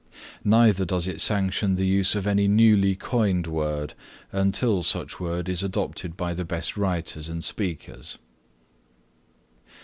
Neither does it sanction the use of any newly coined word until such word is adopted by the best writers and speakers.